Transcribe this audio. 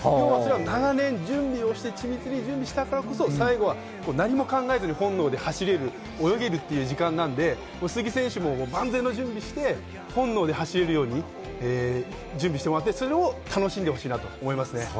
長年、準備をして緻密に準備したからこそ、最後は本能で走れる、泳げるという時間なので、鈴木選手も万全の準備をして、本能で走れるように準備してもらって、それを楽しんでほしいなと思いますね。